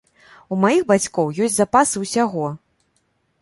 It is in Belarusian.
У маіх бацькоў ёсць запасы ўсяго!